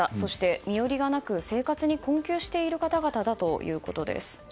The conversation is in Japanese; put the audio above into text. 身寄りがなく生活に困窮している方々だということです。